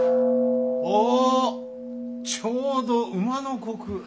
・おおちょうど午の刻。